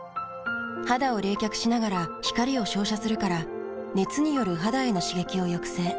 肌を冷却しながら光を照射するから熱による肌への刺激を抑制。